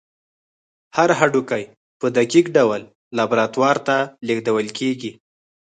هر هډوکی په دقیق ډول لابراتوار ته لیږدول کېږي.